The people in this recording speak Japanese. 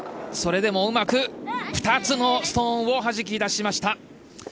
それでもうまく２つのストーンをはじき出しました。